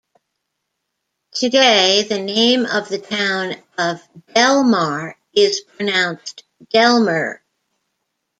Today, the name of the town of Delmar is pronounced Delmer.